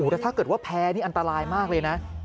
แต่ถ้าเกิดว่าแพ้นี่อันตรายมากเลยนะ